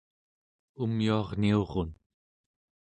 umyuarniurun